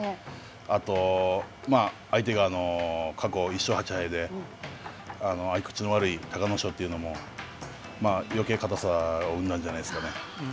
あと、相手が、過去１勝８敗で合口の悪い隆の勝というのも、余計堅さを生んだんじゃないですかね。